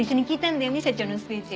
社長のスピーチ。